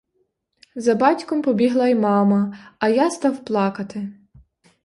За батьком побігла й мама, а я став плакати.